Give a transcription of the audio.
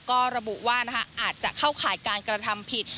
ก็ระบุว่าอาจจะเข้าข่ายการกระทำผิด